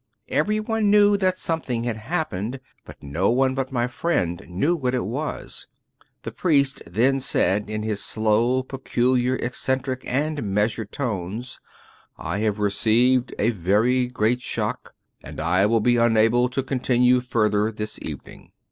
Everyone knew that something had happened, but no one but my friend knew what it was. The '" priest " then . said in his slow, peculiar, eccentric and measured tones, " I have received a very great shock ; and I will be unable to continue further this evening."